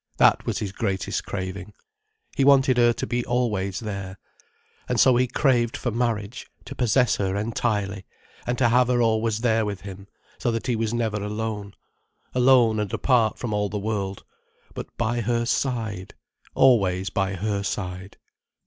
That was his greatest craving. He wanted her to be always there. And so he craved for marriage: to possess her entirely, and to have her always there with him, so that he was never alone. Alone and apart from all the world: but by her side, always by her side.